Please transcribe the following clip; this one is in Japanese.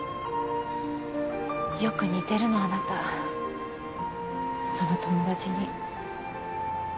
よく似てるのあなたその友達に。